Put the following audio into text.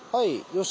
よし。